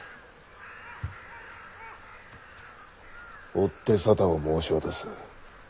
おって沙汰を申し渡す。